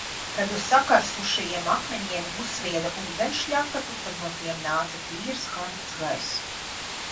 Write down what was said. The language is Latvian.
Kad uz sakarsušajiem akmeņiem uzsvieda ūdens šļakatu, tad no tiem nāca tīrs karsts gaiss.